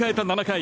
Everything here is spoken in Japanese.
７回。